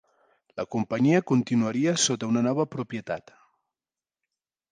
La companyia continuaria sota una nova propietat.